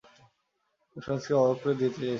আমি ফ্রান্সিসকে অবাক করে দিতে চেয়েছিলাম।